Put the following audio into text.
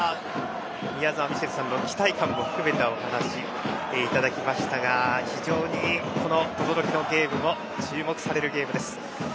宮澤ミシェルさんの期待感も含めたお話をいただきましたが非常に等々力のゲームも注目されるゲームです。